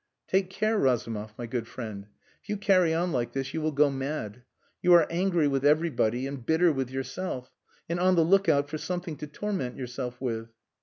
"Take care, Razumov, my good friend. If you carry on like this you will go mad. You are angry with everybody and bitter with yourself, and on the look out for something to torment yourself with."